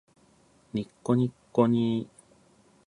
にっこにっこにー